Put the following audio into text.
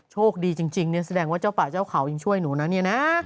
โชคดีจริงเนี่ยแสดงว่าเจ้าป่าเจ้าเขายังช่วยหนูนะเนี่ยนะ